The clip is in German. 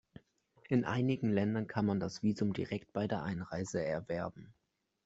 In einigen Ländern kann man das Visum direkt bei der Einreise erwerben.